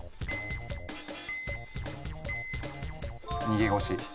逃げ腰。